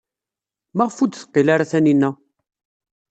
Maɣef ur d-teqqil ara Taninna?